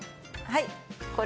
はい！